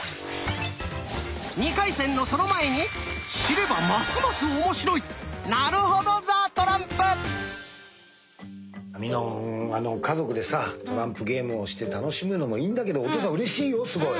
２回戦のその前に知ればますます面白いみのんは家族でさトランプゲームをして楽しむのもいいんだけどお父さんうれしいよすごい。